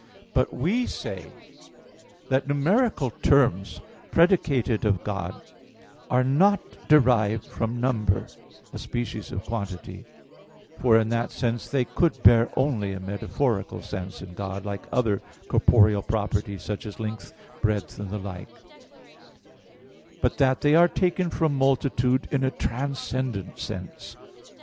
But we say that numeral terms predicated of God are not derived from number, a species of quantity, for in that sense they could bear only a metaphorical sense in God, like other corporeal properties, such as length, breadth, and the like; but that they are taken from multitude in a transcendent sense.